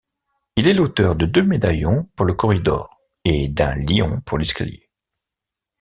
Il est l'auteur de deux médaillons pour le corridor, et d'un lion pour l'escalier.